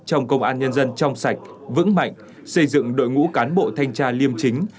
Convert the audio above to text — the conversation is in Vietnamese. trong công an nhân dân trong sạch vững mạnh xây dựng đội ngũ cán bộ thanh tra liêm chính